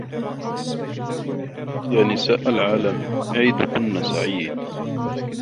يا نساء العالم عيدكن سعيد!